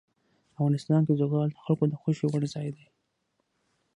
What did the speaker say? افغانستان کې زغال د خلکو د خوښې وړ ځای دی.